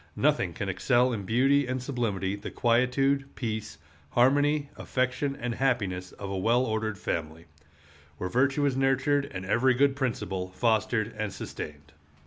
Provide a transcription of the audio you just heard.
Nothing can excel in beauty and sublimity the quietude, peace, harmony, affection, and happiness of a well ordered family, where virtue is nurtured and every good principle fostered and sustained.